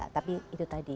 tapi itu tadi